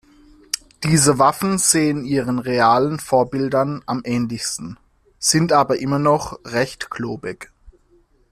Diese Waffen sehen ihren realen Vorbildern am ähnlichsten, sind aber immer noch recht klobig.